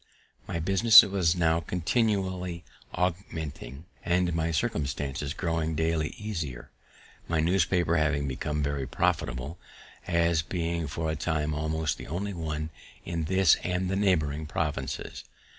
My business was now continually augmenting, and my circumstances growing daily easier, my newspaper having become very profitable, as being for a time almost the only one in this and the neighbouring provinces.